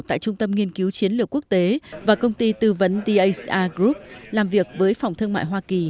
tại trung tâm nghiên cứu chiến lược quốc tế và công ty tư vấn thr group làm việc với phòng thương mại hoa kỳ